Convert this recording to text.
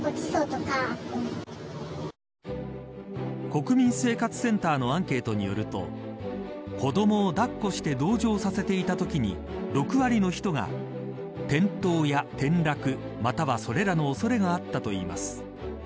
国民生活センターのアンケートによると子どもを抱っこして同乗させていたときに６割の人が転倒や転落また、それらの恐れがあったといいます。